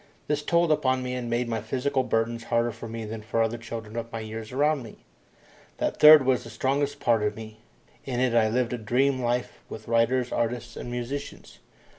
This told upon me and made my physical burdens harder for me than for other children of my years around me. That third was the strongest part of me. In it I lived a dream life with writers, artists, and musicians.